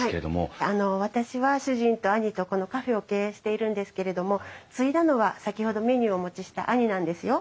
私は主人と兄とこのカフェを経営しているんですけれども継いだのは先ほどメニューをお持ちした兄なんですよ。